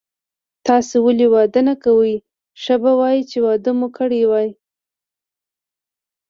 تاسي ولي واده نه کوئ، ښه به وای چي واده مو کړی وای.